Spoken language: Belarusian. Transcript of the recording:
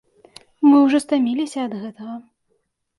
Мы ўжо стаміліся ад гэтага.